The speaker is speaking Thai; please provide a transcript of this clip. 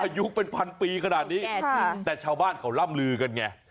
อายุเป็นพันปีขนาดนี้แต่ชาวบ้านเขาล่ำลือกันไง